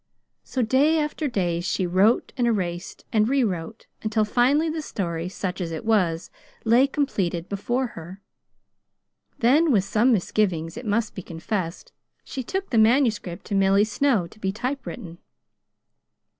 So day after day she wrote and erased, and rewrote, until finally the story, such as it was, lay completed before her. Then, with some misgivings, it must be confessed, she took the manuscript to Milly Snow to be typewritten.